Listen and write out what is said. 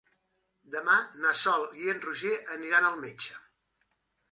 Demà na Sol i en Roger aniran al metge.